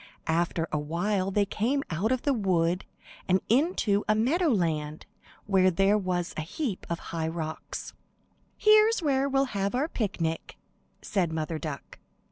After a while they came out of the wood and into a meadow land where there was a heap of high rocks. "Here's where we'll have our picnic," said Mother Duck.